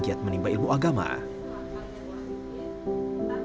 dia menimbulkan ilmu agama dengan beralaskan terpal tanpa bangku tanpa